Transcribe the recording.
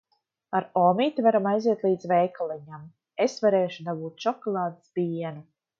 Ar omīti varam aiziet līdz veikaliņam. Es varēšu dabūt šokolādes pienu.